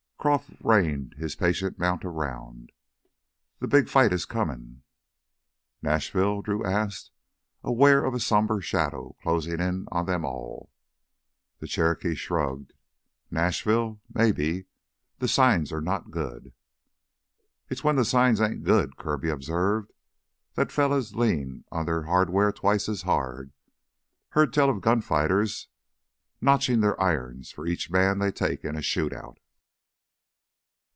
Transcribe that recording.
Croff reined his patient mount around. "The big fight is comin' " "Nashville?" Drew asked, aware of a somber shadow closing in on them all. The Cherokee shrugged. "Nashville? Maybe. The signs are not good." "It's when the signs ain't good," Kirby observed, "that fellas lean on their hardware twice as hard. Heard tell of gunfighters knotchin' their irons for each man they take in a shootout.